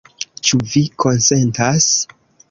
Ĉu vi konsentas?